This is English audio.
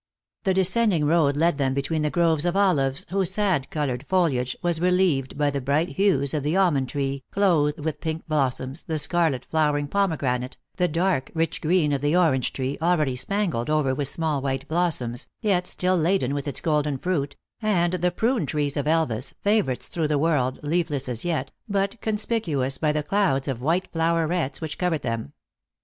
The descending road led them between groves of olives, whose sad colored foliage was relieved by the bright hues of the almond tree, clothed with pink blossoms, the scarlet flowering pomegranate, the dark, rich green of the orange tree, already spangled over with small white blossoms, yet erill laden with its golden fruit, and the prune trees of Elvas, favorites through the world, leafless as yet, THE ACTRESS IN HIGH LIFE. 275 but conspicuous by the clouds of white flowerets which covered them.